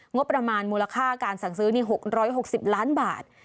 งบประมาณมูลค่าการสั่งซื้อ๖๖๐ล้านบาท